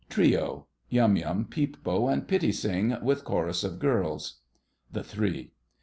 TRIO. YUM YUM, PEEP BO, and PITTI SING, with CHORUS OF GIRLS. THE THREE.